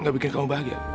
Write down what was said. gak bikin kamu bahagia